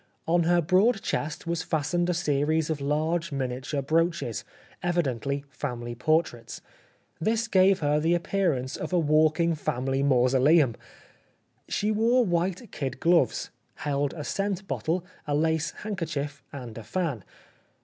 On her broad chest was fastened a series of large minia ture brooches, evidently family portraits ... this gave her the appearance of a walking family mausolem. She wore white kid gloves, held a scent bottle, a lace handkerchief , and a fan.